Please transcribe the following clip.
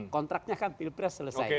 kontraknya kan pilpres selesai